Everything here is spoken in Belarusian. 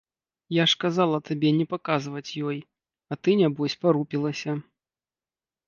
Я ж казала табе не паказваць ёй, а ты нябось парупілася.